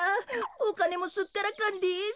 おかねもすっからかんです。